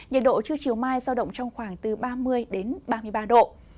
nhiệt độ chưa chiều mai giao động trong khoảng từ ba mươi ba mươi ba độ